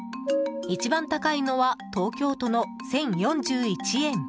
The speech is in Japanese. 一番高いのは東京都の１０４１円。